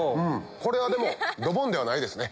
これはドボンではないですね。